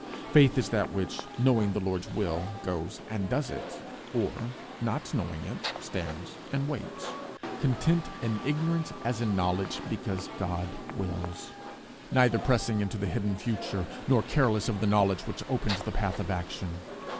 Faith is that which, knowing the Lord's will, goes and does it; or, not knowing it, stands and waits, content in ignorance as in knowledge, because God wills; neither pressing into the hidden future, nor careless of the knowledge which opens the path of action.